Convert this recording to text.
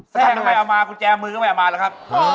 แทรกไม่เอามากุญแจมือไม่เอามาหรือครับ